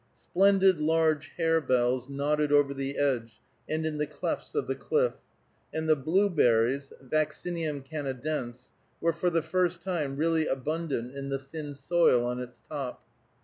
Splendid large harebells nodded over the edge and in the clefts of the cliff, and the blueberries (Vaccinium Canadense) were for the first time really abundant in the thin soil on its top.